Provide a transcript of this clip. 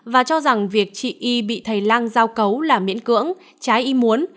và cho rằng việc chị y bị thầy lang giao cấu là miễn cưỡng trái y muốn